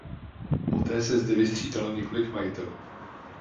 Poté se zde vystřídalo několik majitelů.